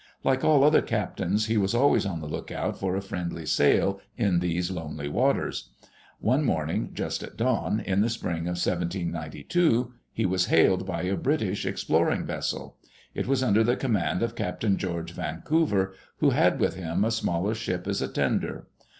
Like all other captains, he was always on the lookout for a friendly sail in those lonely waters. One morning, just at dawn, in the spring of 1792, he was hailed by a British exploring vessel. It was under the command of Captain George Vancouver, who had with him a smaller ship as a tender.